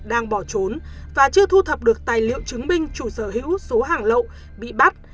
đang bỏ trốn và chưa thu thập được tài liệu chứng minh chủ sở hữu số hàng lậu bị bắt